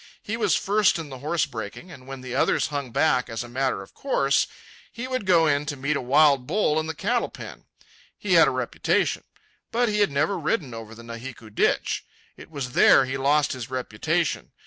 He was first in the horse breaking; and when the others hung back, as a matter of course, he would go in to meet a wild bull in the cattle pen. He had a reputation. But he had never ridden over the Nahiku Ditch. It was there he lost his reputation.